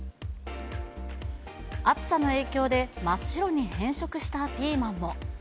暑さの影響で、真っ白に変色したピーマンも。